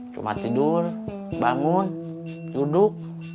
cuma tidur bangun duduk